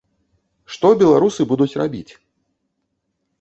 Што беларусы будуць рабіць?